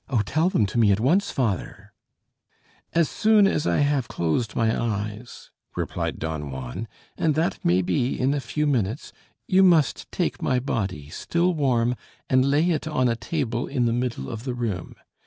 "Oh, tell them to me at once, father!" "As soon as I have closed my eyes," replied Don Juan, "and that may be in a few minutes, you must take my body, still warm, and lay it on a table in the middle of the room.